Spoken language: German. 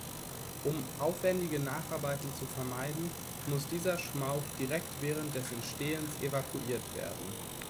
Um aufwendige Nacharbeiten zu vermeiden, muss dieser Schmauch direkt während des Entstehens evakuiert werden.